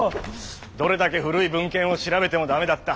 どれだけ古い文献を調べてもダメだった。